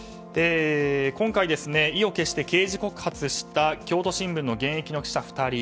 今回、意を決して刑事告発した京都新聞の現役の記者２人。